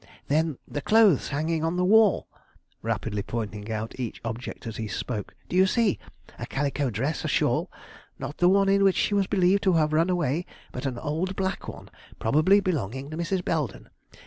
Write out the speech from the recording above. "Then the clothes hanging on the wall?" rapidly pointing out each object as he spoke. "Do you see? a calico dress, a shawl, not the one in which she was believed to have run away, but an old black one, probably belonging to Mrs. Belden.